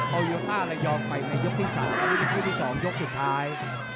เอายก๕ระยองไปในยกที่๓แล้วมีผู้ที่๒ยกสุดท้าย